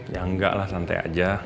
ya enggak lah santai aja